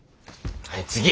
はい次！